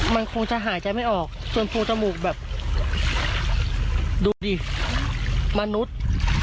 มันคงจะหายใจไม่ออกส่วนโพจมูกแบบดูดิมนุษย์